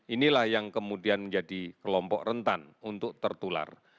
inilah yang kemudian menjadi kelompok rentan untuk tertular